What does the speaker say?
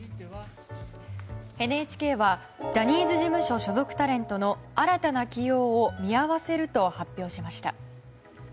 ＮＨＫはジャニーズ事務所所属タレントの新たな起用を見合わせると発表しました。